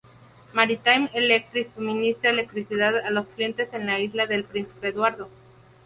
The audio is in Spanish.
Maritime Electric suministra electricidad a los clientes en la isla del Príncipe Eduardo.